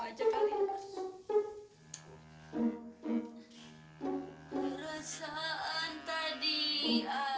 ada kodok kodok apa biang biang